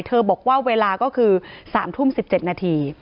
บอกว่าเวลาก็คือ๓ทุ่ม๑๗นาที